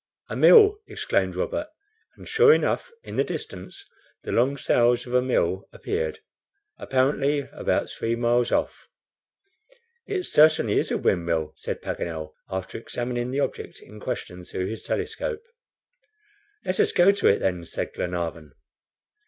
"A mill!" exclaimed Robert. And, sure enough, in the distance the long sails of a mill appeared, apparently about three miles off. "It certainly is a windmill," said Paganel, after examining the object in question through his telescope. "Let us go to it, then," said Glenarvan.